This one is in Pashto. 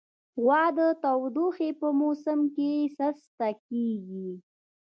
غوا د تودوخې په موسم کې سسته کېږي.